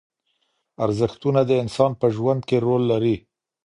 ارزښتونه د انسان په ژوند کې رول لري.